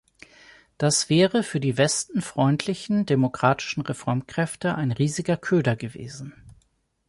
Das wäre für die Westen-freundlichen demokratischen Reformkräfte ein riesiger Köder gewesen.